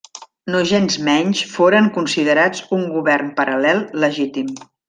Nogensmenys foren considerats un govern paral·lel legítim.